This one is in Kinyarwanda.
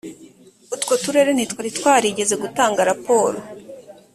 utwo turere ntitwari twarigeze gutanga raporo